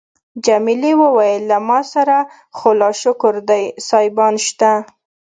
جميلې وويل: له ما سره خو لا شکر دی سایبان شته.